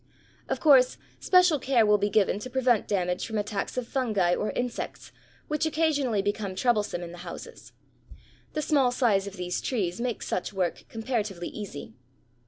Of course, special care will be given to prevent damage from attacks of fungi or insects which occasionally become troublesome in the houses. The small size of these trees makes such work comparatively easy.